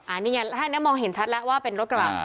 อันนี้ไงถ้าอันนี้มองเห็นชัดแล้วว่าเป็นรถกระบะ